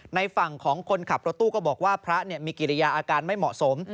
ในฝั่งของคนขับรถตู้ก็บอกว่าพระมีกิริยาอาการไม่เหมาะสม